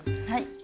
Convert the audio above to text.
はい。